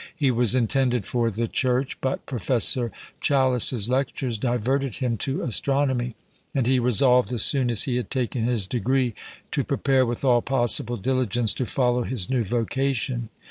He was intended for the Church, but Professor Challis's lectures diverted him to astronomy, and he resolved, as soon as he had taken his degree, to prepare, with all possible diligence, to follow his new vocation.